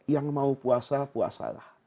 yang mau puasa puasalah